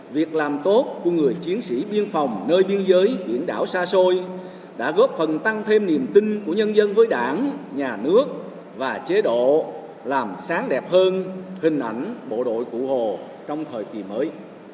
việc làm tốt của người chiến sĩ biên phòng nơi biên giới biển đảo xa xôi đã góp phần tăng thêm niềm tin của nhân dân với đảng nhà nước và chế độ làm sáng đẹp hơn hình ảnh bộ đội cụ hồ trong thời kỳ mới